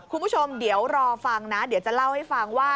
คุณผู้ชมเดี๋ยวรอฟังนะเดี๋ยวจะเล่าให้ฟังว่า